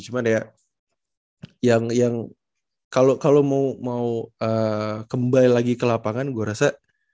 cuman ya yang kalau mau kembali lagi ke lapangan gue rasa